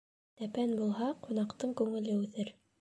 Тәпән булһа, ҡунаҡтың күңеле үҫер.